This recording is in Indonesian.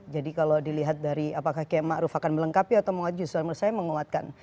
jadi kalau dilihat dari apakah yaimaro akan melengkapi atau menguatkan justru saya menurut saya menguatkan